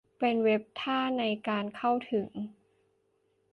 เป็นเว็บท่าในการเข้าถึง